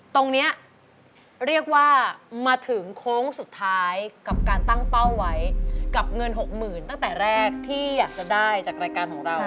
ตรงนี้เรียกว่ามาถึงโค้งสุดท้ายกับการตั้งเป้าไว้กับเงินหกหมื่นตั้งแต่แรกที่อยากจะได้จากรายการของเรา